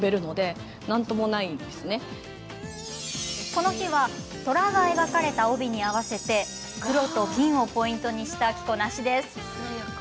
この日は虎が描かれた帯に合わせて黒と金をポイントにした着こなしです。